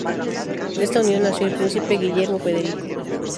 De esta unión nació el príncipe Guillermo Federico.